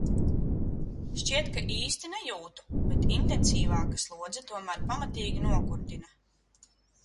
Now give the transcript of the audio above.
Šķiet, ka īsti nejūtu, bet intensīvāka slodze tomēr pamatīgi nogurdina.